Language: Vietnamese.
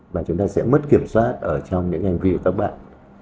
và chúng ta sẽ mất kiểm soát ở trong những hành vi của các bạn